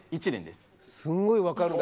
すごい分かるんだ。